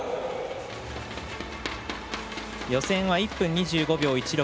予選は１分２５秒１６。